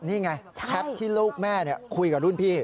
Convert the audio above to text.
นี่ไงแชทที่ลูกแม่คุยกับรุ่นพี่